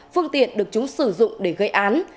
phương tiện được chúng sử dụng để gây án